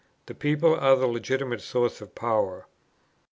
The people are the legitimate source of power.